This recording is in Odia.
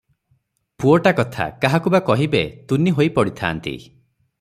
ପୁଅଟା କଥା କାହାକୁ ବା କହିବେ, ତୁନି ହୋଇ ପଡିଥାନ୍ତି ।